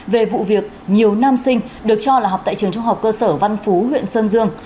về vụ việc nhiều nam sinh được cho là học tại trường trung học cơ sở văn phú huyện sơn dương